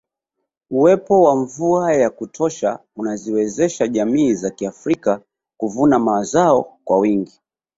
Uwepo wa mvua ya kutosha unaziwezesha jamii za kiafrika kuvuna mazao kwa wingi